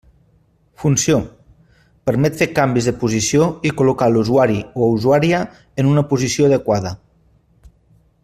Funció: permet fer canvis de posició i col·locar l'usuari o usuària en una posició adequada.